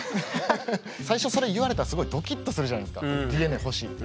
最初それ言われたらすごいドキッとするじゃないですか「ＤＮＡ欲しい」って。